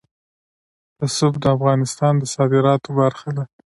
رسوب د افغانستان د صادراتو برخه ده.